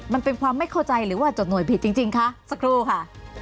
มันเป็นความไม่เข้าใจหรือว่าจดหน่วยผิดจริงคะสักครู่ค่ะ